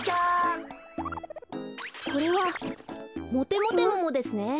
これはモテモテモモですね。